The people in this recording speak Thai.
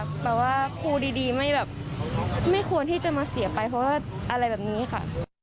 แบบว่าครูดีไม่แบบไม่ควรที่จะมาเสียไปเพราะว่าอะไรแบบนี้ค่ะ